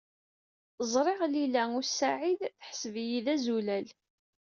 Ẓriɣ Lila u Saɛid teḥseb-iyi d azulal.